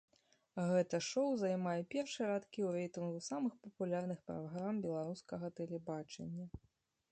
Гэта шоу займае першыя радкі ў рэйтынгу самых папулярных праграм беларускага тэлебачання.